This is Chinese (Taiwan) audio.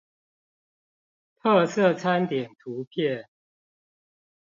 特色餐點圖片